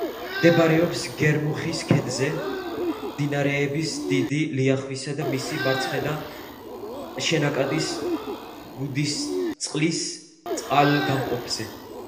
მდებარეობს გერმუხის ქედზე, მდინარეების დიდი ლიახვისა და მისი მარცხენა შენაკადის გუდისისწყლის წყალგამყოფზე.